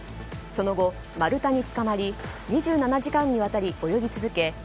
その後、丸太につかまり２７時間にわたり泳ぎ続け